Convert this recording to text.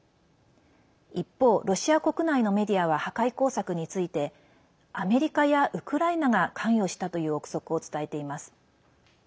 一方、ロシア国内のメディアは破壊工作についてアメリカやウクライナが関与したという憶測を伝えています。